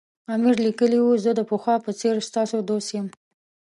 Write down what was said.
امیر لیکلي وو زه د پخوا په څېر ستاسو دوست یم.